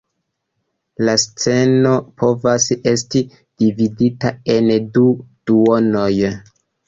La sceno povas esti dividita en du duonoj.